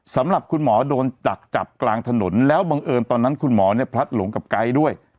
สำหรับคุณหมอโดนจักจับกลางถนนแล้วบังเอิญตอนนั้นคุณหมอเนี่ยพลัดหลงกับไกด์ด้วย